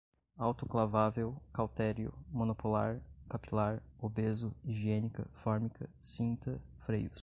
autoclavável, cautério, monopolar, capilar, obeso, higiênica, fórmica, cinta, freios